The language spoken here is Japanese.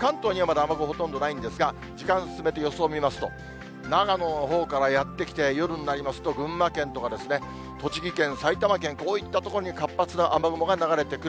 関東にはまだ雨雲ほとんどないんですが、時間進めて予想見ますと、長野のほうからやって来て、夜になりますと群馬県とか栃木県、埼玉県、こういった所に活発な雨雲が流れてくる。